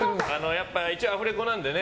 やっぱり一応アフレコなんでね。